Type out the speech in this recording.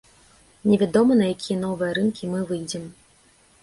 Невядома, на якія новыя рынкі мы выйдзем.